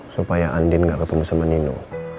supaya andin gak ketemu sama nino